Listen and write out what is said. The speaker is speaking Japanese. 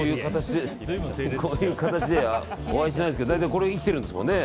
こういう形ではお会いしないですけどこれが生きてるんですもんね